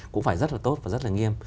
cũng phải rất là tốt và rất là nghiêm